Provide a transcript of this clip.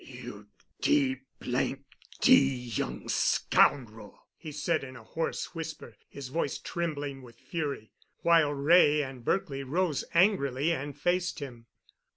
"You d—d young scoundrel," he said in a hoarse whisper, his voice trembling with fury, while Wray and Berkely rose angrily and faced him.